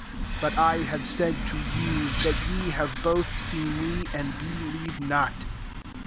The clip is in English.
36 But I have said to you, that ye have both seen me and be lieve not.